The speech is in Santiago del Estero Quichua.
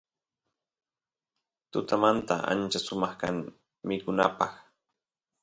tutamanta ancha sumaq kan mikunapaq